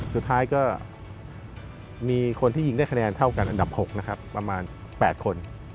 สุดท้ายก็มีคนที่ยิงได้คะแนนเท่ากันอันดับ๖นะครับประมาณ๘คน